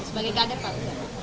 sebagai kader pak